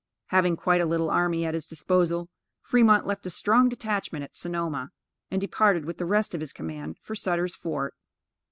Having quite a little army at his disposal, Fremont left a strong detachment at Sonoma, and departed with the rest of his command for Sutter's Fort.